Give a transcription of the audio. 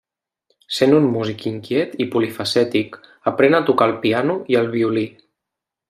Sent un músic inquiet i polifacètic, aprèn a tocar el piano i el violí.